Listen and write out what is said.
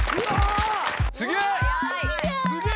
すげえ！